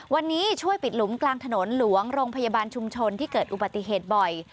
วันนี้ช่วยปิดหลุมกลางถนนหลวงโรงพยาบาลชุมชนที่เกิดอุบัติเหตุบ่อย